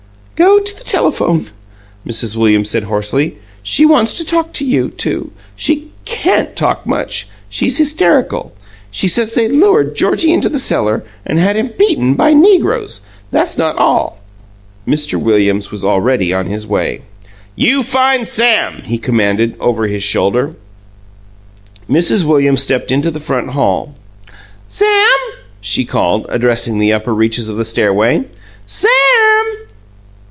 "Go to the telephone," Mrs. Williams said hoarsely "She wants to talk to you, too. She CAN'T talk much she's hysterical. She says they lured Georgie into the cellar and had him beaten by negroes! That's not all " Mr. Williams was already on his way. "You find Sam!" he commanded, over his shoulder. Mrs. Williams stepped into the front hall. "Sam!" she called, addressing the upper reaches of the stairway. "Sam!"